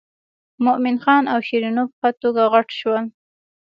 مومن خان او شیرینو په ښه توګه غټ شول.